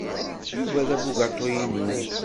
Yuba d abugaṭu-inu.